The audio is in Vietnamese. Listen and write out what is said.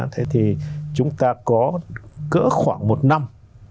thế thì chúng ta có cỡ khoảng một năm